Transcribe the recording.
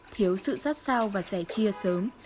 thiếu sự sát sao và sẻ chia sớm